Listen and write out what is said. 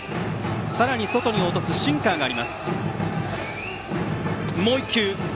さらに外に落とすシンカーがあります。